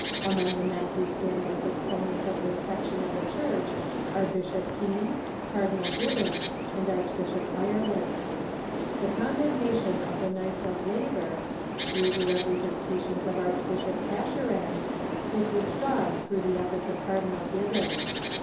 Among the men who stand as exponents of this section of the Church are Bishop Keane, Cardinal Gib bons, and Archbishop Ireland. The condemnation of the Knights of Labor, through the representations of Archbishop Taschereau, was withdrawn through the efforts of Cardinal 544 THE CHURCH IN THE UNITED STATES Gibbons.